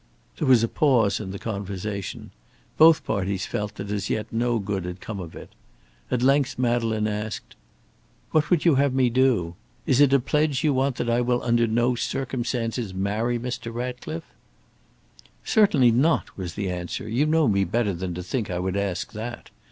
There was a pause in the conversation. Both parties felt that as yet no good had come of it. At length Madeleine asked, "What would you have me do? Is it a pledge you want that I will under no circumstances marry Mr. Ratcliffe?" "Certainly not," was the answer; "you know me better than to think I would ask that.